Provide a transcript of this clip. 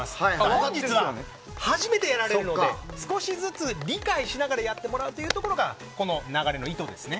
本日は初めてやられるので少しずつ理解しながらやってもらうというところがこの流れの意図ですね。